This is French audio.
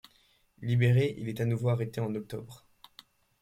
Libéré, il est à nouveau arrêté en octobre.